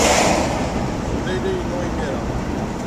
Kemm d ayla-inu imir-a.